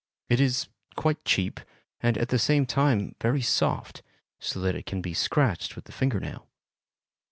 It is quite cheap, and at the same time very soft, so that it can be scratched with the finger nail.